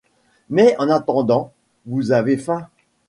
Mais en attendant, vous avez faim !